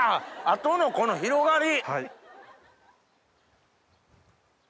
後のこの広がり。